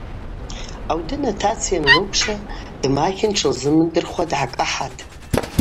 Аудын атаца йанлыквшва дмахын тшылымдырхуа дгӏакӏахӏатӏ.